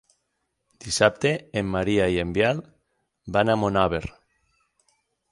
Dissabte en Maria i en Biel van a Monòver.